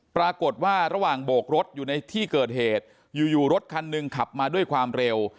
ปรากฏว่าระหว่างโบกรถอยู่ในที่เกิดเหตุอยู่รถคันหนึ่งขับมาด้วยความเร็ว